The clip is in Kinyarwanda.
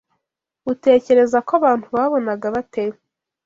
Utekereza ko abantu babonaga bate